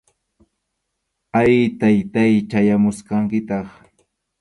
Ay, Taytáy, chayamusqankitaq